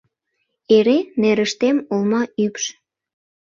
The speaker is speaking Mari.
Эре нерыштем олма ӱпш.